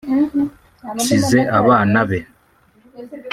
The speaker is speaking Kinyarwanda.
nsize abana be”